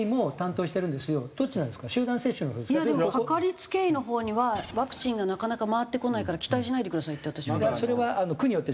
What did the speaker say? いやでもかかりつけ医のほうにはワクチンがなかなか回ってこないから期待しないでくださいって私は言われました。